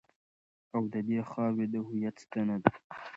او د دې خاورې د هویت ستنه ده.